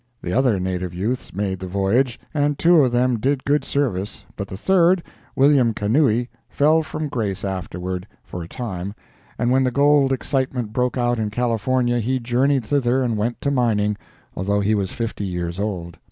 The other native youths made the voyage, and two of them did good service, but the third, Wm. Kanui, fell from grace afterward, for a time, and when the gold excitement broke out in California he journeyed thither and went to mining, although he was fifty years old.